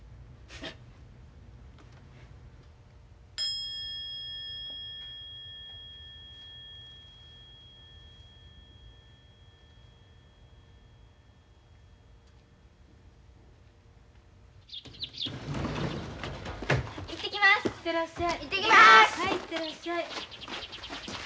はい行ってらっしゃい。